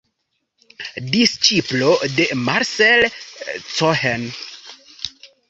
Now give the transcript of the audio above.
Disĉiplo de Marcel Cohen.